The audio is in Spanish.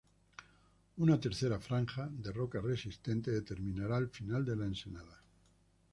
Una tercera franja, de roca resistente, determinará el final de la ensenada.